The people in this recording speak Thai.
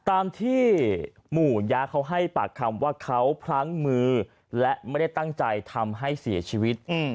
ตามที่หมู่ย้าเขาให้ปากคำว่าเขาพลั้งมือและไม่ได้ตั้งใจทำให้เสียชีวิต